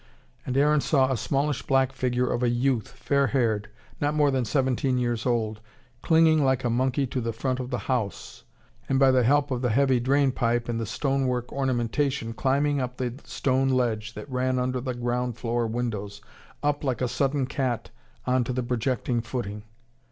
And Aaron saw a smallish black figure of a youth, fair haired, not more than seventeen years old, clinging like a monkey to the front of the house, and by the help of the heavy drain pipe and the stone work ornamentation climbing up to the stone ledge that ran under ground floor windows, up like a sudden cat on to the projecting footing.